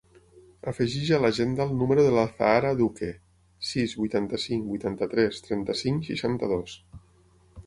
Afegeix a l'agenda el número de l'Azahara Duque: sis, vuitanta-cinc, vuitanta-tres, trenta-cinc, seixanta-dos.